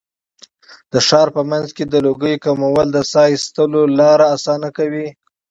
د ښار په منځ کې د لوګیو کمول د ساه ایستلو لاره اسانه کوي.